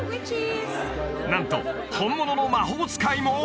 なんと本物の魔法使いも！